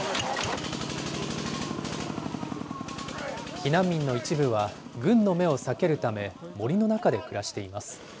避難民の一部は軍の目を避けるため、森の中で暮らしています。